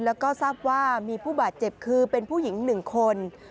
แล้วก็ทราบว่ามีผู้บาดเจ็บคือเป็นผู้หญิง๑คน